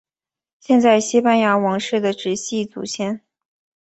现在西班牙王室的直系祖先。